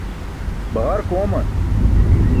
Baġark ooman.